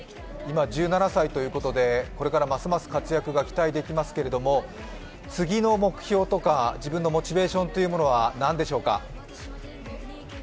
今１７歳ということでこれからますます活躍が期待できますが次の目標とか、自分のモチベーションはなんでしょうか？